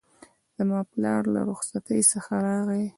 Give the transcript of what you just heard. زما پلار له رخصتی څخه راغی